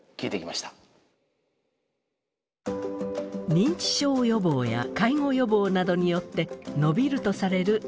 認知症予防や介護予防などによって延びるとされる健康寿命。